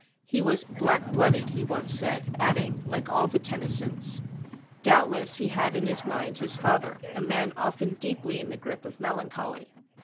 He was "black blooded," he once said, adding, "like all the Tennysons." Doubtless he had in his mind his father, a man often deeply in the grip of melancholy.